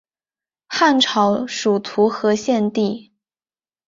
汉朝属徒河县地。